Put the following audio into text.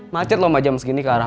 macet lho mbak jam segini ke arah